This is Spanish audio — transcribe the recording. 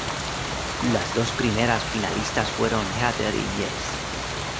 Las dos primeras finalistas fueron Heather y Jess.